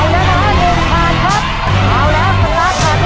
คราวแล้วสำหรับถาดที่๑